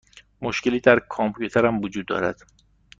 مشکلی در کامپیوترم وجود دارد.